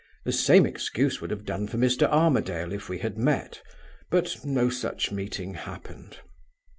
The same excuse would have done for Mr. Armadale if we had met, but no such meeting happened.